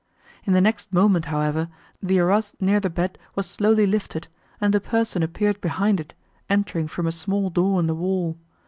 In the next moment, however, the arras near the bed was slowly lifted, and a person appeared behind it, entering from a small door in the wall.